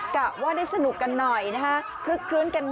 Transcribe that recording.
กะว่าได้สนุกกันหน่อยนะคะ